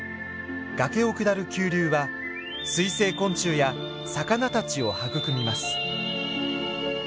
崖を下る急流は水生昆虫や魚たちを育みます。